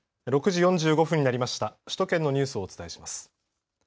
６時４５分になりました、首都圏のニュースをお伝えします。